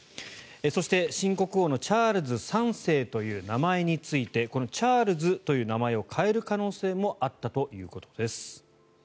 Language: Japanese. そして、新国王のチャールズ３世という名前についてこのチャールズという名前を変える可能性もあったということです。